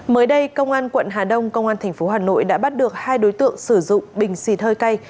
mới đây công an quận hà đông công an tp hà nội đã bắt được hai đối tượng sử dụng bình xịt hơi cay